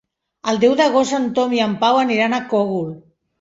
El deu d'agost en Tom i en Pau aniran al Cogul.